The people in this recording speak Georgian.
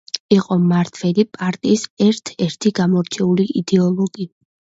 იყო მმართველი პარტიის ერთ-ერთი გამორჩეული იდეოლოგი.